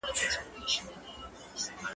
زه کولای سم مېوې وخورم؟!